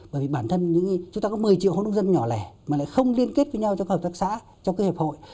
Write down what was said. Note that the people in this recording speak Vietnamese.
bởi vì bản thân chúng ta có một mươi triệu hôn nông dân nhỏ lẻ mà lại không liên kết với nhau trong hợp tác xã trong kế hợp hội